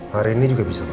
hari ini juga bisa ma